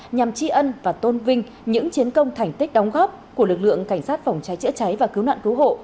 nhằm tri ân và tôn vinh những chiến công thành tích đóng góp của lực lượng cảnh sát phòng cháy chữa cháy và cứu nạn cứu hộ